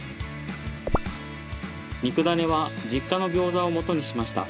肉ダネは実家のギョーザをもとにしました。